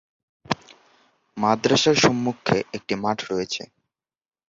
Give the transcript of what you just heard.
মাদ্রাসার সম্মুখে একটি মাঠ রয়েছে।